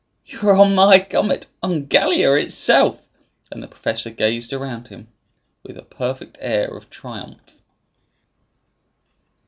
"You are on my comet, on Gallia itself!" And the professor gazed around him with a perfect air of triumph.